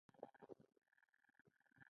ميرويس خان منډه واخيسته.